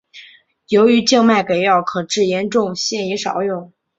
由于静脉给药可致严重现已少用。